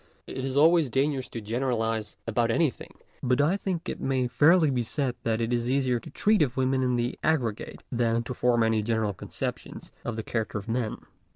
It is always dangerous to generalize about anything, but I think it may fairly be said that it is easier to treat of women in the aggregate than to form any general concep tion of the character of men.